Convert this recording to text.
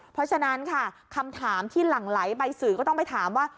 เพราะฉะนั้นค่ะคำถามที่หลั่งไหลไปสื่อก็ต้องไปถามว่า